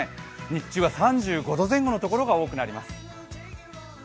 日中は３５度前後の所が多くなります。